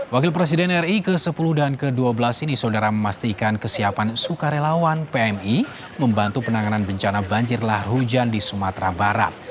wakil presiden ri ke sepuluh dan ke dua belas ini saudara memastikan kesiapan sukarelawan pmi membantu penanganan bencana banjir lahar hujan di sumatera barat